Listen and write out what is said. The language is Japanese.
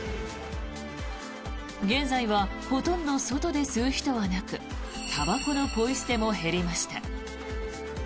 現在はほとんど外で吸う人はなくたばこのポイ捨ても減りました。